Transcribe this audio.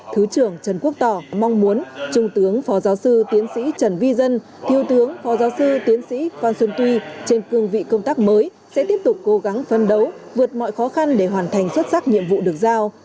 thứ trưởng trần quốc tỏ mong muốn trung tướng phó giáo sư tiến sĩ trần vi dân thiếu tướng phó giáo sư tiến sĩ phan xuân tuy trên cương vị công tác mới sẽ tiếp tục cố gắng phân đấu vượt mọi khó khăn để hoàn thành xuất sắc nhiệm vụ được giao